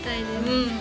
うん